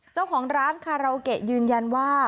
เจ้าของร้านคาราโอเกะยืนยันว่า